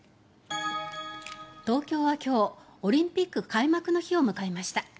東京は今日オリンピック開幕の日を迎えました。